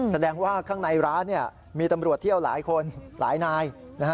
แสดงว่าข้างในร้านมีตำรวจเที่ยวหลายคนหลายนาย